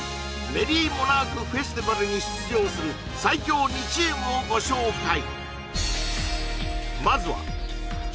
メリー・モナーク・フェスティバルに出場する最強２チームをご紹介